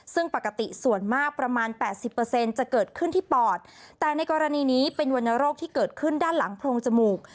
ซึ่งปกติส่วนมากประมาณ๘๐จะเกิดขึ้นที่ปอดแต่ในกรณีนี้เป็นวรรณโรคที่เกิดขึ้นด้านหลังโพรงจมูก